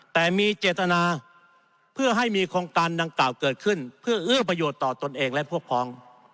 แต่มีเจตนาเพื่อให้มีโครงการดังกล่าวเกิดขึ้นเพื่อเอื้อประโยชน์ต่อตนเองและพวกพ้อง